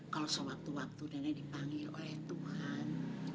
kalau sewaktu waktu nenek dipanggil oleh tuhan